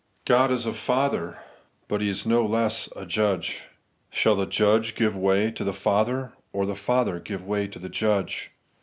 God is a Father ; but He is no less a Judge. Shall the Judge give way to the Father, or the Father give way to the Judge